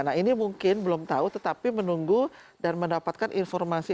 nah ini mungkin belum tahu tetapi menunggu dan mendapatkan informasi